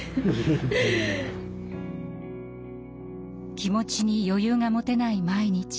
気持ちに余裕が持てない毎日。